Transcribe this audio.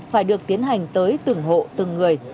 phải được tiến hành tới từng hộ từng người